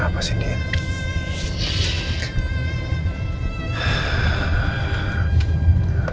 saya pasti akan temukan kamu nien